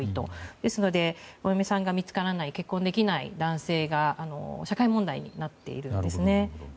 ですのでお嫁さんが見つからない結婚できない男性が社会問題になっているんです。